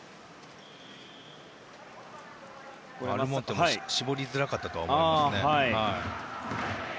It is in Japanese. アルモンテも絞りづらかったと思います。